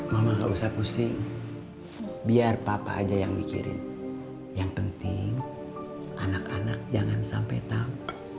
mama gak usah pusing biar papa aja yang mikirin yang penting anak anak jangan sampai tahu